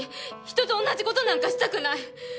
人と同じ事なんかしたくない！